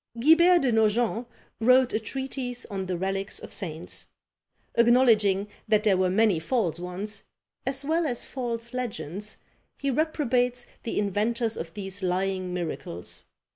Guibert de Nogent wrote a treatise on the relics of saints; acknowledging that there were many false ones, as well as false legends, he reprobates the inventors of these lying miracles.